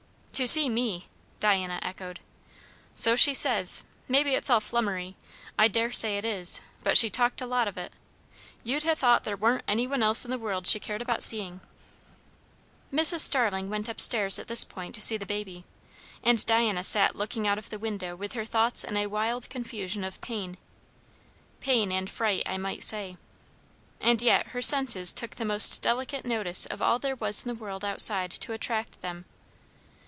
"To see me!" Diana echoed. "So she says. Maybe it's all flummery. I daresay it is; but she talked a lot of it. You'd ha' thought there warn't any one else in the world she cared about seeing." Mrs. Starling went up stairs at this point to see the baby, and Diana sat looking out of the window with her thoughts in a wild confusion of pain. Pain and fright, I might say. And yet her senses took the most delicate notice of all there was in the world outside to attract them.